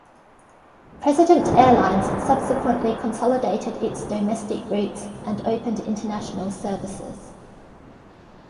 President Airlines subsequently consolidated its domestic routes and opened international services.